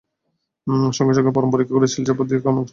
সঙ্গে সঙ্গে ফরম পরীক্ষা করে সিল-ছাপ্পর দিয়ে আমাকে ডেকে বুঝিয়ে দিলেন।